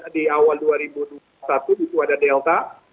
di awal dua ribu dua puluh satu itu ada delta